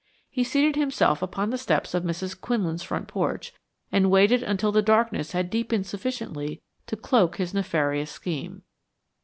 He seated himself upon the steps of Mrs. Quinlan's front porch and waited until the darkness had deepened sufficiently to cloak his nefarious scheme.